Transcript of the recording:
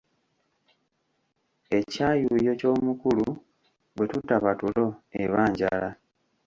Ekyayuuyo ky'omukulu bwe tutaba tulo eba njala.